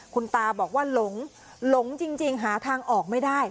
คุณตาบอกว่าหลงหลงจริงหาทางออกไม่ได้